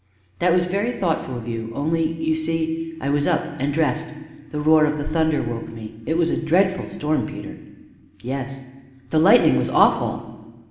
"That was very thoughtful of you only, you see, I was up and dressed; the roar of the thunder woke me. It was a dreadful storm, Peter!" "Yes." "The lightning was awful!"